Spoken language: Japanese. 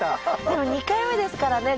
でも２回目ですからね